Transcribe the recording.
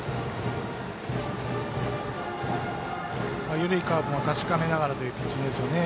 緩いカーブも確かめながらという感じですよね。